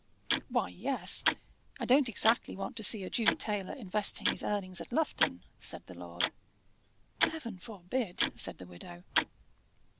"Why, yes: I don't exactly want to see a Jew tailor investing his earnings at Lufton," said the lord. "Heaven forbid!" said the widow.